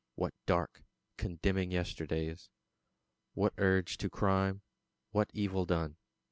What dark, condemning yesterdays? What urge to crime, what evil done?